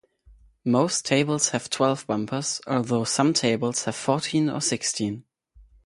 Most tables have twelve bumpers, although some tables have fourteen or sixteen.